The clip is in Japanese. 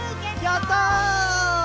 やった！